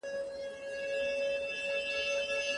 که ثيبه وه، نو ځانګړي درې شپې دي ورکړي.